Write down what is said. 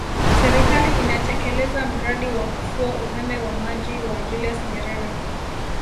Serikali inatekeleza mradi wa kufua umeme wa maji wa Julius Nyerere